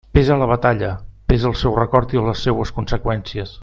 Pesa la Batalla, pesa el seu record i les seues conseqüències.